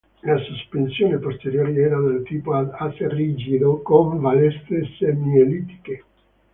La sospensione posteriore era del tipo ad asse rigido con balestre semiellittiche.